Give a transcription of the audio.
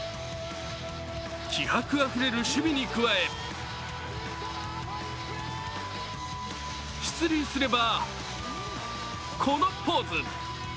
気迫あふれる守備に加え出塁すればこのポーズ！